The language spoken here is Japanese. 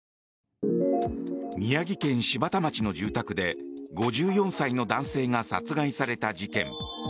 宮城県柴田町の住宅で５４歳の男性が殺害された事件。